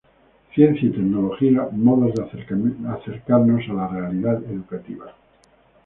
Ciencia y tecnología: modos de acercarnos a la realidad educativa.